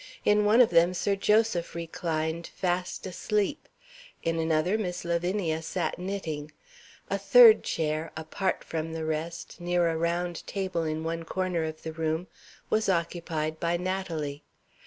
In one of them Sir Joseph reclined, fast asleep; in another, Miss Lavinia sat knitting; a third chair, apart from the rest, near a round table in one corner of the room, was occupied by Natalie.